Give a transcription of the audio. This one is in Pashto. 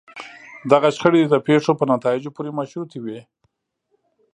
دغه شخړې د پېښو په نتایجو پورې مشروطې وي.